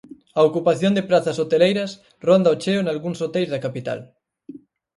A ocupación de prazas hoteleiras ronda o cheo nalgúns hoteis da capital.